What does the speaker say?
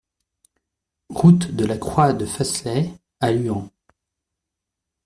Route de la Croix de Faslay à Luant